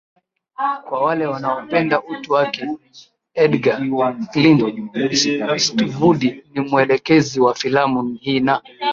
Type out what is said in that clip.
kwa wale wanaopenda utu wake Edgar Klint Istvud ni mwelekezi wa filamu hii na